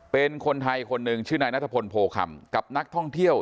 เป็นคนไทยคนหนึ่งชื่อนายนัทพลโพคำกับนักท่องเที่ยว